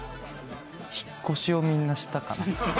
引っ越しをみんなしたかな？